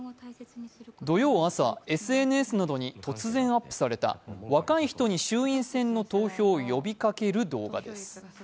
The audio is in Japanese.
土曜朝、ＳＮＳなどに突然アップされた「若い人に衆院選の投票を呼びかける」動画です。